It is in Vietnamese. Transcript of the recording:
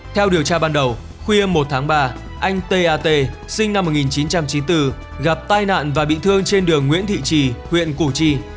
theo điều tra ban đầu khuya một tháng ba anh tat sinh năm một nghìn chín trăm chín mươi bốn gặp tai nạn và bị thương trên đường nguyễn thị trì huyện củ chi